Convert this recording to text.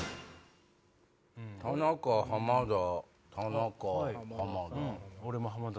田中浜田田中浜田。